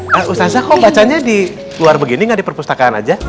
mas ustazah kok bacanya di luar begini nggak di perpustakaan aja